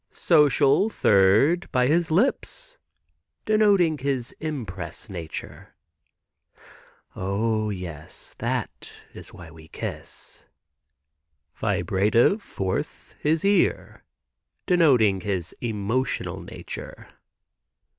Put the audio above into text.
"Social, third, by his lips, denoting his impress nature." O yes, that is why we kiss. "Vibrative, fourth, his ear, denoting his emotional nature."